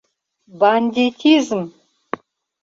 Бандитизм!..